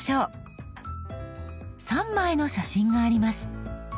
３枚の写真があります。